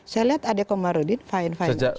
saya lihat adi komarudin fine fine saja